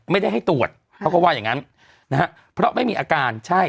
ไม่ได้ให้ตรวจเขาก็ว่าอย่างงั้นนะฮะเพราะไม่มีอาการใช่